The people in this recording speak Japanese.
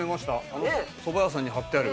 あのそば屋さんに張ってある。